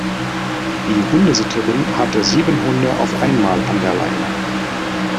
Die Hundesitterin hatte sieben Hunde auf einmal an der Leine.